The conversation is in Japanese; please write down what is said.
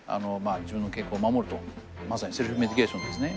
自分の健康を守るとまさにセルフメディケーションですね。